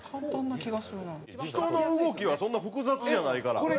人の動きはそんな複雑じゃないから。